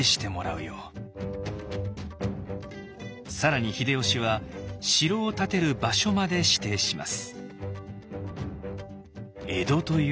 「家康くん」更に秀吉は城を建てる場所まで指定します。